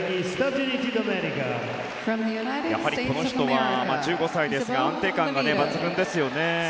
やはりこの人は１５歳ですが安定感抜群ですね。